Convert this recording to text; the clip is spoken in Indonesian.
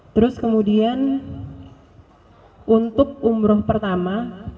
terus kemudian untuk umroh pertama